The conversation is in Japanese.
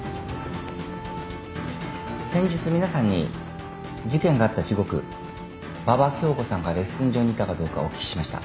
先日皆さんに事件があった時刻馬場恭子さんがレッスン場にいたかどうかお聞きしました。